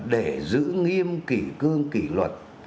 để giữ nghiêm kỷ cương kỷ luật